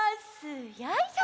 よいしょ！